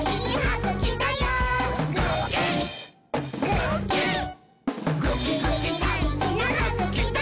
ぐきぐきだいじなはぐきだよ！」